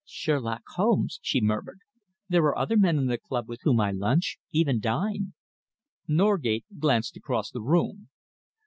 "Sherlock Holmes!" she murmured. "There are other men in the club with whom I lunch even dine." Norgate glanced across the room.